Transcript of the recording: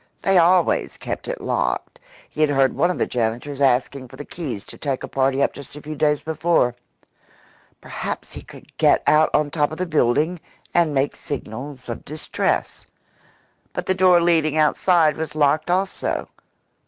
They always kept it locked; he had heard one of the janitors asking for the keys to take a party up just a few days before. Perhaps he could get out on top of the building and make signals of distress. But the door leading outside was locked also.